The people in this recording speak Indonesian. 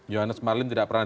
johannes marlim tidak pernah